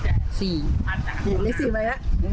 กรูปเลข๔ไปแล้ว